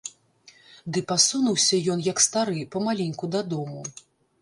Ды пасунуўся ён, як стары, памаленьку дадому.